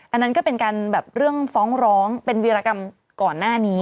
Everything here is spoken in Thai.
อันนั้นก็เป็นการแบบเรื่องฟ้องร้องเป็นวีรกรรมก่อนหน้านี้